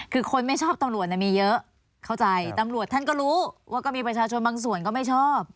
คือคนไม่ชอบตำรวจมีเยอะเข้าใจตำรวจท่านก็รู้ว่าก็มีประชาชนบางส่วนก็ไม่ชอบ